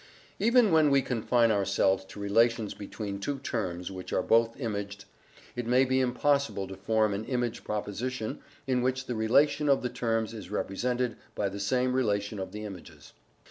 Even when we confine ourselves to relations between two terms which are both imaged, it may be impossible to form an image proposition in which the relation of the terms is represented by the same relation of the images.